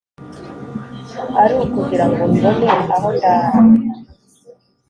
Ari ukugirango mbone aho ndara?